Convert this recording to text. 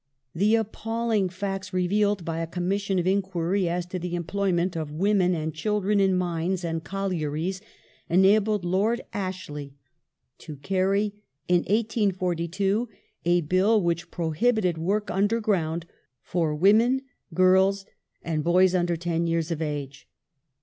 The appalling facts revealed by a Commission of enquiry as to the employment of women and children in mines and collieries enabled Lord Ashley to carry, in 1842, a Bill which prohibited work undergi'ound for women, girls, and boys under ten years of age.